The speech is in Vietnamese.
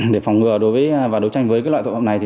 để phòng ngừa và đối tranh với loại tội vụ này